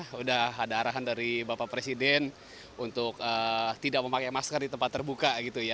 sudah ada arahan dari bapak presiden untuk tidak memakai masker di tempat terbuka gitu ya